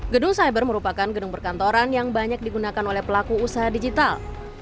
gedung cyber merupakan gedung perkantoran yang banyak digunakan oleh pelaku usaha digital